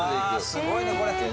あすごいねこれ。